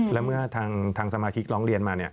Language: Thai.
และเมื่อทางสมาชิกร้องเรียนมา